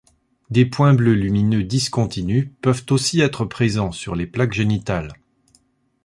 Des points bleus lumineux discontinus peuvent aussi être présents sur les plaques génitales.